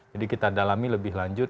jadi kita dalami lebih lanjut